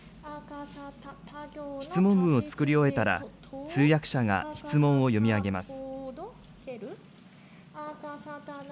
質問文を作り終えたら、通訳者が質問を読み上げます。